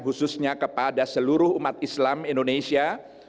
khususnya kepada seluruh umat islam indonesia